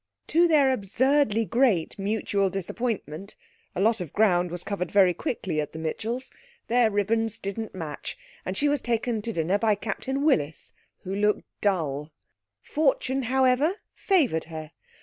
To their absurdly great mutual disappointment (a lot of ground was covered very quickly at the Mitchells), their ribbons didn't match, and she was taken to dinner by Captain Willis, who looked dull. Fortune, however, favoured her.